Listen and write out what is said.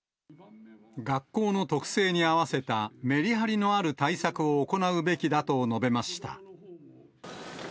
学校の特性に合わせたメリハリのある対策を行うべきだと述べました。